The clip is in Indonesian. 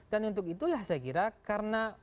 dan untuk itulah saya kira karena